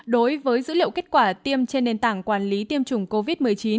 đối với dữ liệu kết quả tiêm trên nền tảng quản lý tiêm chủng covid một mươi chín